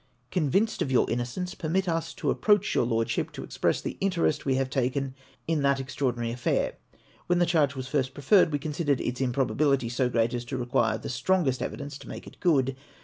Convinced of yom* inno cence, permit us to approach your Lordship to express the interest we have taken in that extraordinary affair. When the charge was first preferred, we considered its improbability so great as to require the strongest evidence to make it good.